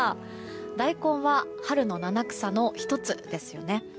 大根は春の七草の１つですよね。